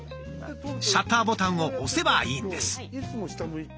シャッターボタンを押せばいいんです。